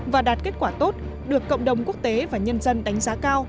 và đạt kết quả tốt được cộng đồng quốc tế và nhân dân đánh giá cao